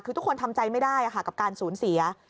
คือทุกคนทำใจไม่ได้กับการสูญเสีย